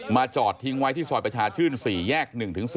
จอดทิ้งไว้ที่ซอยประชาชื่น๔แยก๑๔